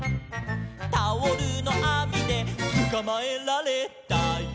「タオルのあみでつかまえられたよ」